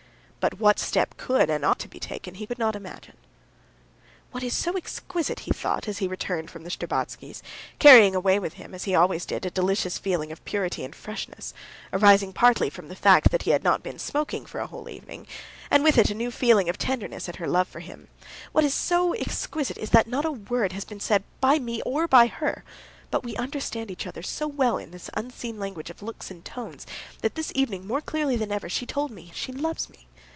But what step could and ought to be taken he could not imagine. "What is so exquisite," he thought, as he returned from the Shtcherbatskys', carrying away with him, as he always did, a delicious feeling of purity and freshness, arising partly from the fact that he had not been smoking for a whole evening, and with it a new feeling of tenderness at her love for him—"what is so exquisite is that not a word has been said by me or by her, but we understand each other so well in this unseen language of looks and tones, that this evening more clearly than ever she told me she loves me.